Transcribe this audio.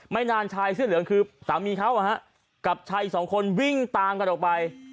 นานชายเสื้อเหลืองคือสามีเขากับชายอีกสองคนวิ่งตามกันออกไป